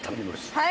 はい。